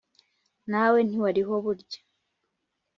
Nawe ntiwariho burya !